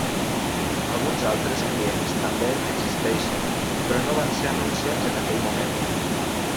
Alguns altres clients també existeixen, però no van ser anunciats en aquell moment.